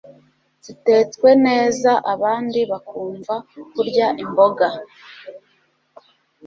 zitetswe neza abandi bakumva kurya imboga